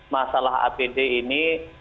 masalah apd ini